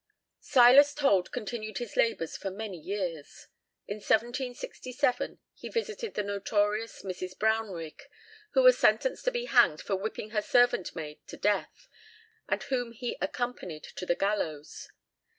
Silas Told continued his labours for many years. In 1767 he visited the notorious Mrs. Brownrigg, who was sentenced to be hanged for whipping her servant maid to death, and whom he accompanied to the gallows.